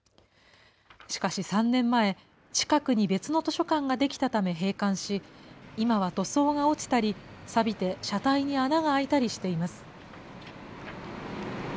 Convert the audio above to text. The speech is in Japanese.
しかし３年前、近くに別の図書館が出来たため閉館し、今は塗装が落ちたり、さびて車体に穴が開いたりしています。